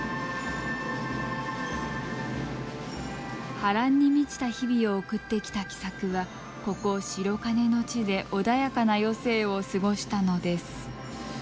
波乱に満ちた日々を送ってきた喜作はここ白金の地で穏やかな余生を過ごしたのです。